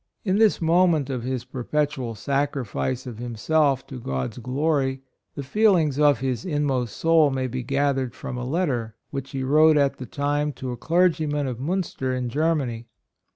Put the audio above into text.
In this mo EVIDENCE OF VOCATION. 43 merit of his perpetual sacrifice of himself to God's glory, the feelings of his inmost soul may be gathered from a letter which he wrote at the time to a clergyman of Munster in Germany.